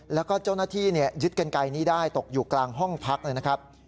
แล้วก็เจ้าหน้าที่ยึดกันไกลนี้ได้ตกอยู่กลางห้องพักเลยนะครับ